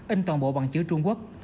in toàn bộ bằng chữ trung quốc